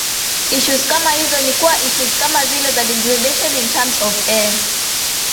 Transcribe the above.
issues kama hizo ni kuna issues kama zile za degradation in terms of ee